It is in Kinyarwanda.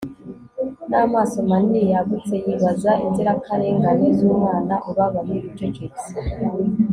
Namaso manini yagutse yibaza inzirakarengane zumwana ubabaye ucecetse